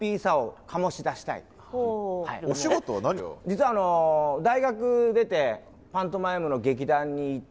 実はあの大学出てパントマイムの劇団に行って。